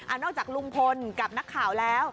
นอกจากลุงพลกับนักข่าวแล้ว